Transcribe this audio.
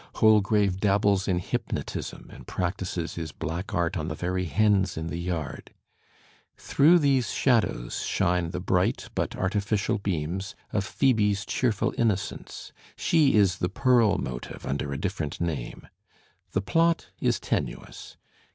Holgrave dabbles in hypnotism and practises his black art on the very hens in the yard. Through these shadows shine the bright but artificial beams of Phoebe's cheerful innocence. She is the Pearl motive under a different name. The plot is tenuous.